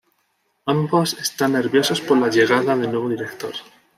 Ambos están nerviosos por la llegada del nuevo director.